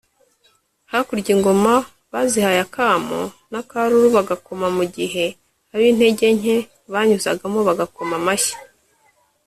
hakurya ingoma bazihaye akamo n’akaruru bagakoma mu gihe ab’intege nke banyuzagamo bagakoma amashyi